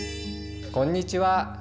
こんにちは。